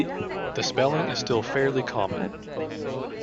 The spelling is still fairly common.